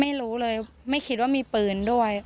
ไม่รู้เลยไม่คิดว่ามีปืนด้วย